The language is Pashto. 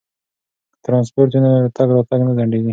که ترانسپورت وي نو تګ راتګ نه ځنډیږي.